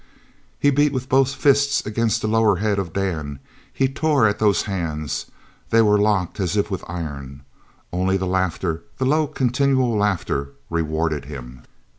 He beat with both fists against the lowered head of Dan. He tore at those hands. They were locked as if with iron. Only the laughter, the low, continual laughter rewarded him.